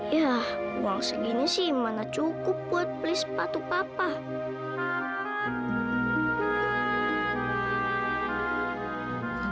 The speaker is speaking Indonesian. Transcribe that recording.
ya uang segini sih mana cukup buat beli sepatu papa